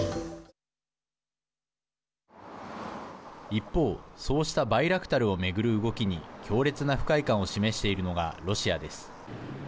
一方、そうしたバイラクタルを巡る動きに強烈な不快感を示しているのがロシアです。